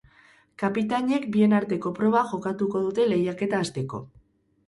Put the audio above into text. Kapitainek bien arteko proba jokatuko dute lehiaketa hasteko.